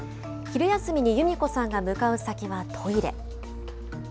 昼休みにゆみこさんが向かう先はトイレ。